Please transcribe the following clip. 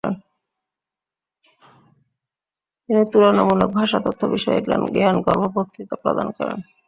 তিনি তুলনামূলক ভাষাতত্ত্ব বিষয়ে জ্ঞানগর্ভ বক্তৃতা প্রদান করেন।